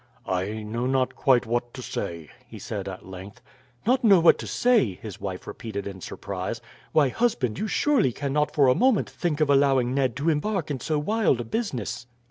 "I know not quite what to say," he said at length. "Not know what to say?" his wife repeated in surprise. "Why, husband, you surely cannot for a moment think of allowing Ned to embark in so wild a business."